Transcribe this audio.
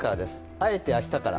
あえて明日から。